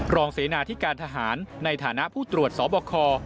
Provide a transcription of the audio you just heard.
เสนาที่การทหารในฐานะผู้ตรวจสบค